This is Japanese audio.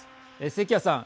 関谷さん。